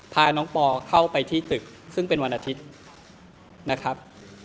พาน้องปอเข้าไปที่ตึกซึ่งเป็นวันอาทิตย์นะครับ